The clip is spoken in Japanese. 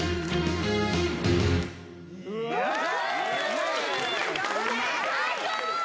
最高！